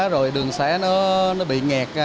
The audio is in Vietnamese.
rồi đường xé nó bị nghẹt